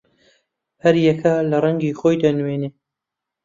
هەر یەکە لە ڕەنگێ خۆی دەنوێنێ